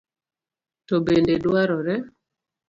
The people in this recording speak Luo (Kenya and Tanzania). To bende dwarore